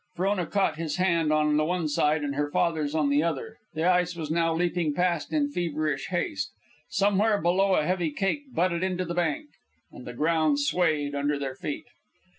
Frona caught his hand on the one side and her father's on the other. The ice was now leaping past in feverish haste. Somewhere below a heavy cake butted into the bank, and the ground swayed under their feet.